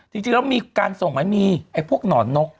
จริงแล้วมีการส่งไหมมีไอ้พวกหนอนนก